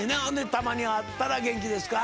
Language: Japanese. たまに会ったら元気ですか？